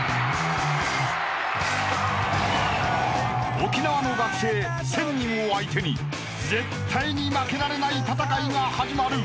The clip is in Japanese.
［沖縄の学生１，０００人を相手に絶対に負けられない戦いが始まる］